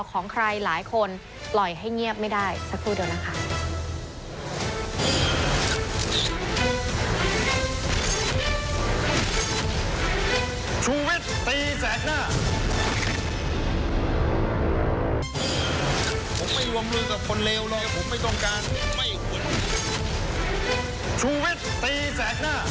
ของใครหลายคนปล่อยให้เงียบไม่ได้สักครู่เดียวนะคะ